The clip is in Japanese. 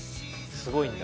すごいんだ。